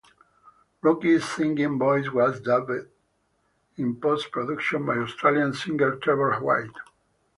Rocky's singing voice was dubbed in post-production by Australian singer Trevor White.